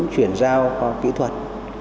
chuyển giao kỹ thuật